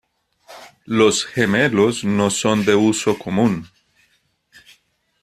Los gemelos no son de uso común.